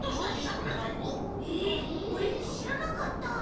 へえオレっちしらなかった。